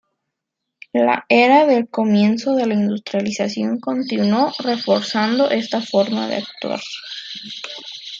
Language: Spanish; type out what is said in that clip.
La era del comienzo de la industrialización continuó reforzando esta forma de actuar.